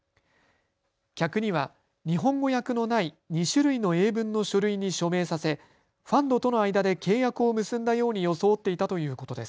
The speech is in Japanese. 客には日本語訳のない２種類の英文の書類に署名させファンドとの間で契約を結んだように装っていたということです。